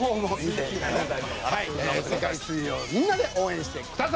世界水泳をみんなで応援してください。